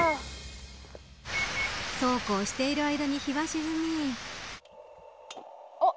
そうこうしている間に日は沈み。